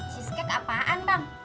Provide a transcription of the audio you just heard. cheesecake apaan bang